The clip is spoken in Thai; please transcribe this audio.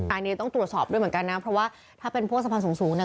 อันนี้ต้องตรวจสอบด้วยเหมือนกันนะเพราะว่าถ้าเป็นพวกสะพานสูงเนี่ย